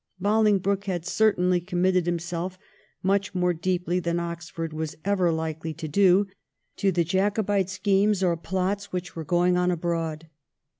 Bolingbroke had certainly committed himself much more deeply than Oxford was ever likely to do to the Jacobite schemes or plots which were going on abroad.